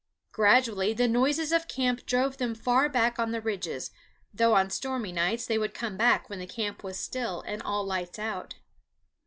Gradually the noises of camp drove them far back on the ridges, though on stormy nights they would come back when the camp was still and all lights out.